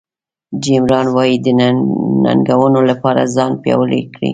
جیم ران وایي د ننګونو لپاره ځان پیاوړی کړئ.